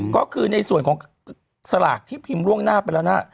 ก็คือในส่วนของสลากที่พิมพ์ล่วงหน้าไปแล้วนะ